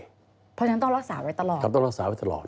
เพราะฉะนั้นต้องรักษาไว้ตลอดทำต้องรักษาไว้ตลอด